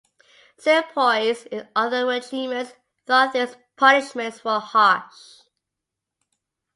Sepoys in other regiments thought these punishments were harsh.